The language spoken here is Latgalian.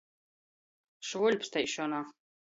Švuļpsteišona.